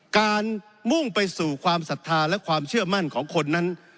มุ่งไปสู่ความศรัทธาและความเชื่อมั่นของคนนั้น